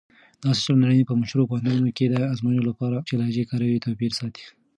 هغه خلک چې لهجې کاروي توپير ساتي.